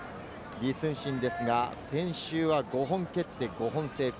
李承信ですが、先週は５本蹴って、５本成功。